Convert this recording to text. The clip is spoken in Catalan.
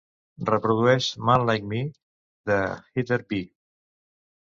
Reprodueix "Man Like Me" de Heather B.